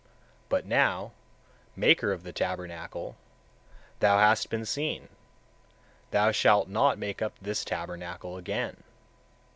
But now, maker of the tabernacle, thou hast been seen; thou shalt not make up this tabernacle again.